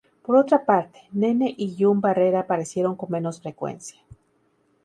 Por otra parte, Nene y Llum Barrera aparecieron con menos frecuencia.